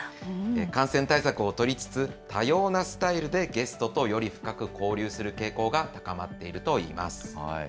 感染対策を取りつつ、多様なスタイルでゲストとより深く交流する傾向が高まっているといいます。